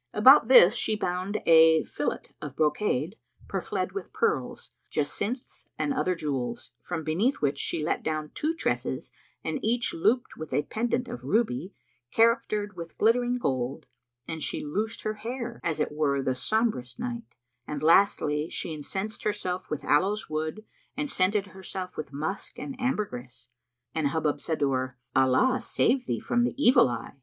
About this she bound a fillet of brocade, purfled with pearls, jacinths and other jewels, from beneath which she let down two tresses[FN#327] each looped with a pendant of ruby, charactered with glittering gold, and she loosed her hair, as it were the sombrest night; and lastly she incensed herself with aloes wood and scented herself with musk and ambergris, and Hubub said to her, "Allah save thee from the evil eye!"